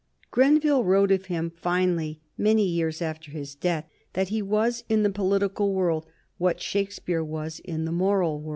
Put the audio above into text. Grenville wrote of him finely, many years after his death, that he was in the political world what Shakespeare was in the moral world.